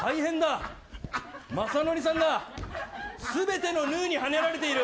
まさのりさんが全てのヌーにはねられている。